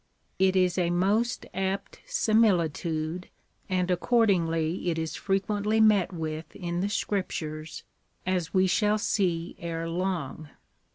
It is a most apt similitude, and accordingly it is frequently met with in the Scriptures, as we shall see ere long.